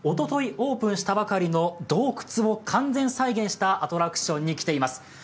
オープンしたばかりの洞窟を完全再現したアトラクションに来ています。